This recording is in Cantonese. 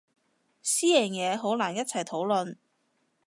私人嘢好難一齊討論